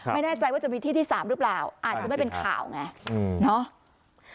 ไม่แน่ใจว่าจะมีที่ที่๓หรือเปล่าอาจจะไม่เป็นข่าวไงเนาะ